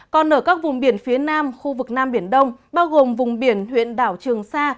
còn ở các vùng biển phía nam khu vực nam biển đông bao gồm vùng biển huyện đảo trường sa